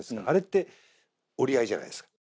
あれって折り合いじゃないですか。